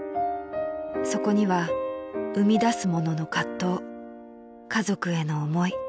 ［そこには生み出す者の葛藤家族への思い